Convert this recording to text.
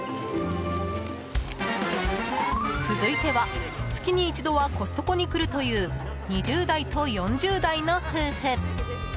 続いては、月に一度はコストコに来るという２０代と４０代の夫婦。